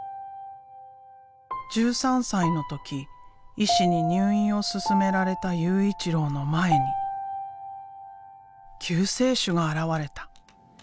１３歳の時医師に入院を勧められた悠一郎の前に救世主が現れた。